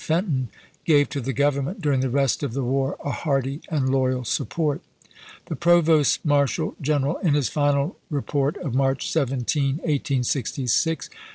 Fenton, gave to the Government, during the rest of the war, a hearty and loyal support. The Provost Marshal General, in his final report of March 17, 1866, presents some important consid Nov.